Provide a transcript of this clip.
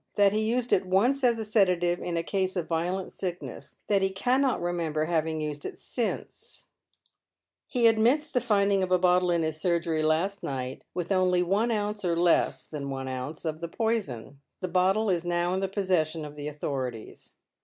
That he used it once as a sedative in a case of violent sickness, that he cannot remember having used it since,_ He admits the finding of a bottle in his surgery last night, with only one ounce or less than one ounce of the poison. The bottle is now in the possession of the authorities.